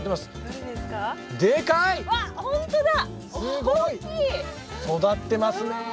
すごい！育ってますねぇ。